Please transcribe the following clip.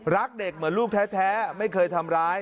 รักเด็กเหมือนลูกแท้ไม่เคยทำร้าย